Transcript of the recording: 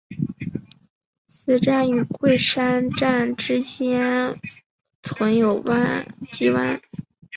此站与桂山站之间存有急弯。